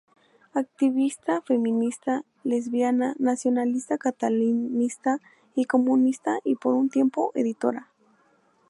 Activista feminista, lesbiana, nacionalista catalanista y comunista y por un tiempo, editora.